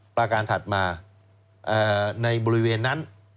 ประการถัดมาในบริเวณนั้น